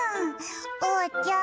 おうちゃん